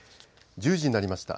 １０時になりました。